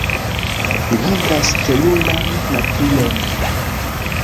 Li havas teruran naturon.